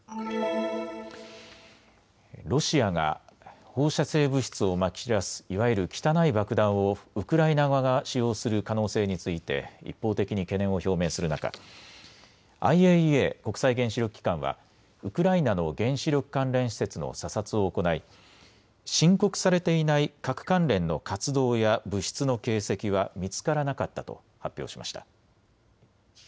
ロシアが放射性物質をまき散らすいわゆる汚い爆弾をウクライナ側が使用する可能性について一方的に懸念を表明する中、ＩＡＥＡ・国際原子力機関はウクライナの原子力関連施設の査察を行い、申告されていない核関連の活動や物質の形跡は見つからなかったと発表しました。